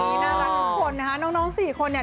น่ารักทุกคนนะคะน้องสี่คนเนี่ย